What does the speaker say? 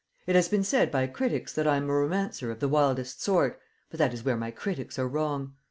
It has been said by critics that I am a romancer of the wildest sort, but that is where my critics are wrong.